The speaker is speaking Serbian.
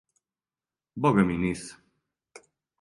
Бога ми нисам.